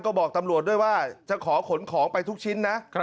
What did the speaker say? ก็บอกตำรวจด้วยว่าจะขอขนของไปทุกชิ้นนะ